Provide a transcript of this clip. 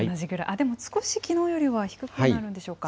でも少しきのうよりは低くなるんでしょうか。